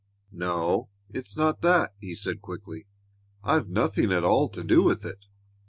"No, it's not that," he said quickly. "I've nothing at all to do with it.